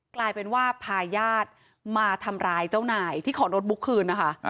กลายเป็นว่าพาญาติมาทำร้ายเจ้านายที่ขอรถบุ๊กคืนนะคะ